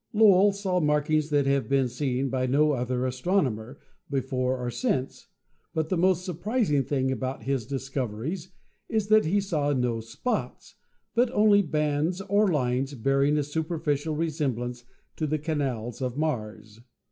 Lowell saw markings that have been seen by no other astronomer, before or since, but the most surprising thing about his discoveries is that he saw no spots, but only bands or lines bearing a superficial resem blance to the canals of Mars.